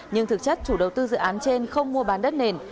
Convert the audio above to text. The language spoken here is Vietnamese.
nhưng thực chất chủ đầu tư dự án trên không mua bán đất nền